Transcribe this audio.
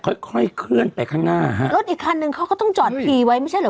ค่อยค่อยเคลื่อนไปข้างหน้าฮะรถอีกคันนึงเขาก็ต้องจอดทีไว้ไม่ใช่เหรอ